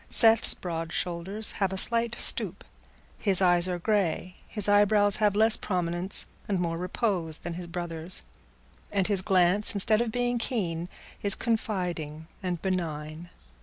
Seth's broad shoulders have a slight stoop; his eyes are grey; his eyebrows have less prominence and more repose than his brother's; and his glance, instead of being keen, is confiding and benign.